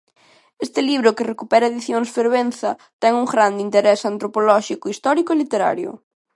Este libro, que recupera Edicións Fervenza, ten un grande interese antropolóxico, histórico e literario.